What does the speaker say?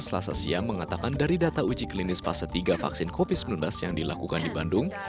selasa siang mengatakan dari data uji klinis fase tiga vaksin covid sembilan belas yang dilakukan di bandung